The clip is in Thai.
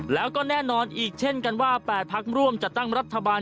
แล้วก็แน่นอนอีกเช่นกันว่า๘พักร่วมจัดตั้งรัฐบาล